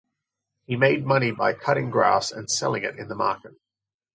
He made money by cutting grass and selling it in the market.